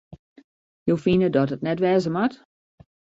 Jo fine dat it net wêze moat?